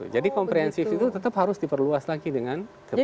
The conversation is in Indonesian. jadi komprehensif itu tetap harus di perluas lagi dengan kebencanaan